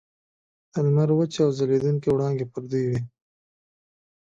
د لمر وچې او ځلیدونکي وړانګې پر دوی وې.